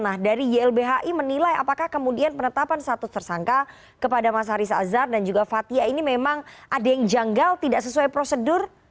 nah dari ylbhi menilai apakah kemudian penetapan status tersangka kepada mas haris azhar dan juga fathia ini memang ada yang janggal tidak sesuai prosedur